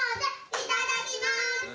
いただきます！